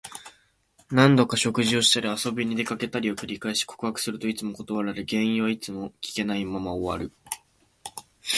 何度か食事をしたり、遊びに出かけたりを繰り返し、告白するといつも断られ、原因はいつも聞けないまま終わる。